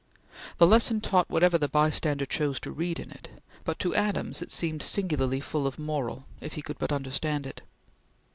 The lesson taught whatever the bystander chose to read in it; but to Adams it seemed singularly full of moral, if he could but understand it.